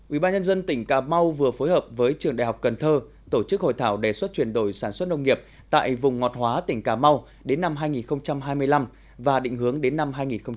ubnd tỉnh cà mau vừa phối hợp với trường đại học cần thơ tổ chức hội thảo đề xuất chuyển đổi sản xuất nông nghiệp tại vùng ngọt hóa tỉnh cà mau đến năm hai nghìn hai mươi năm và định hướng đến năm hai nghìn ba mươi